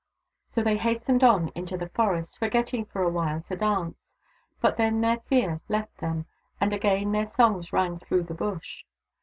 So they hastened on into the forest, forgetting, for a while, to dance ; but then their fear left them, and again their songs rang through the Bush.